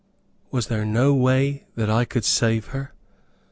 Was there no way that I could save her?